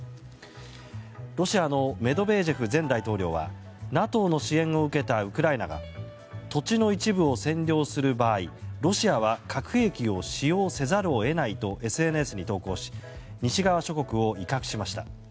ロシアのメドベージェフ前大統領はＮＡＴＯの支援を受けたウクライナが土地の一部を占領する場合ロシアは核兵器を使用せざるを得ないとＳＮＳに投稿し西側諸国を威嚇しました。